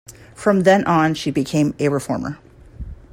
From then on, she became a reformer.